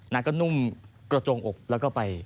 นางก็นุ่มกระจงอกแล้วก็ไป